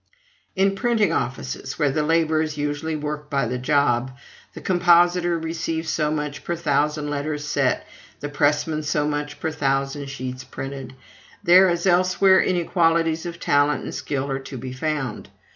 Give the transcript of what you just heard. In printing offices, where the laborers usually work by the job, the compositor receives so much per thousand letters set; the pressman so much per thousand sheets printed. There, as elsewhere, inequalities of talent and skill are to be found.